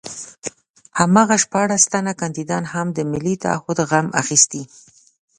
هماغه شپاړس تنه کاندیدان هم د ملي تعهُد غم اخیستي.